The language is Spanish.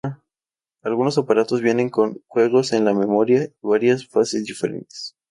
Algunos aparatos vienen con juegos en la memoria y varias fases diferentes.